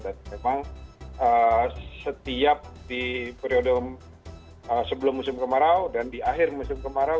dan memang setiap di periode sebelum musim kemarau dan di akhir musim kemarau